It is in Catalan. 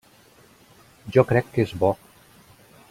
Jo crec que és bo.